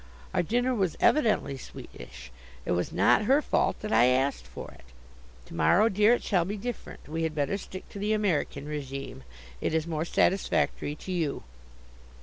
Our dinner was evidently Swedish. It was not her fault that I asked for it. To morrow, dear, it shall be different. We had better stick to the American régime. It is more satisfactory to you.